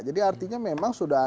jadi artinya memang sudah ada